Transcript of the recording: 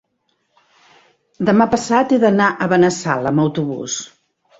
Demà passat he d'anar a Benassal amb autobús.